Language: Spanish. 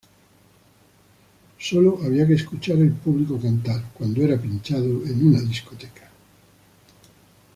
Sólo había que escuchar el público cantar, cuando era pinchado en una discoteca.